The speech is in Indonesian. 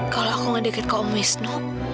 kalau aku ngedikit ke om wisnu